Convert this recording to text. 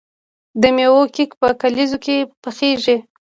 د میوو کیک په کلیزو کې پخیږي.